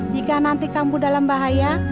jika nanti kamu dalam bahaya